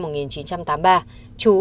minh thường bắt đầu tụi kha